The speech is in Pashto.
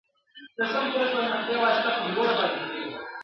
پر چمن باندي له دریو خواوو !.